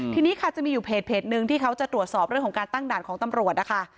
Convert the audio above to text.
ทีนี้ค่ะจะมีอยู่เพจนึงที่เขาจะตรวจสอบเรื่องของการตั้งด่านของตำรวจนะคะ